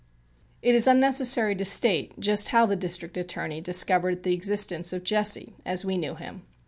It is unnecessary to state just how the District Attorney discovered the existence of "Jesse," as we knew him.